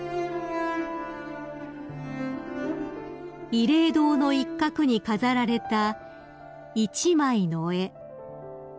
［慰霊堂の一角に飾られた１枚の絵］